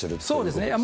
そうですね。